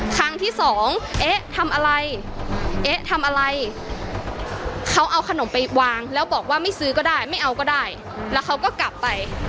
ครั้งที่สองเอ๊ะทำอะไรเอ๊ะทำอะไรเขาเอาขนมไปวางแล้วบอกว่าไม่ซื้อก็ได้ไม่เอาก็ได้แล้วเขาก็กลับไป